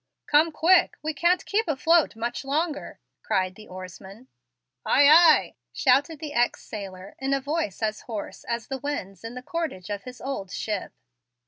"Come quick. We can't keep afloat much longer," cried the oarsman. "Ay, ay," shouted the ex sailor in a voice as hoarse as the winds in the cordage of his old ship.